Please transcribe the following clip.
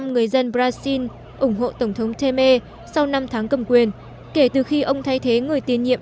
một mươi người dân brazil ủng hộ tổng thống temer sau năm tháng cầm quyền kể từ khi ông thay thế người tiền nhiệm